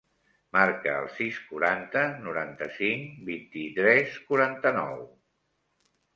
Marca el sis, quaranta, noranta-cinc, vint-i-tres, quaranta-nou.